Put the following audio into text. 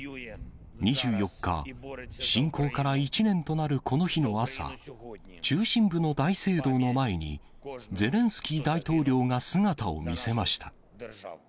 ２４日、侵攻から１年となるこの日の朝、中心部の大聖堂の前に、ゼレンスキー大統領が姿を見せました。